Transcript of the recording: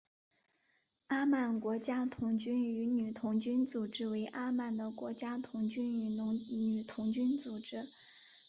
阿曼国家童军与女童军组织为阿曼的国家童军与女童军组织。